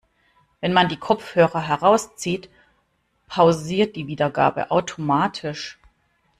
Wenn man die Kopfhörer herauszieht, pausiert die Wiedergabe automatisch.